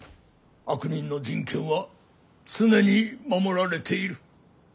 悪人の人権は常に守られている。